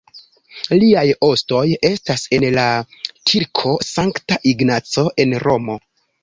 Liaj ostoj estas en la Kirko Sankta Ignaco en Romo.